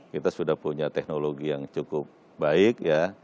kita sudah punya teknologi yang cukup baik ya